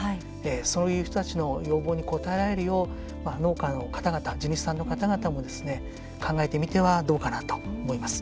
そういう人たちの要望に応えるよう農家の方々、地主さんの方々も考えてみてはどうかなと思います。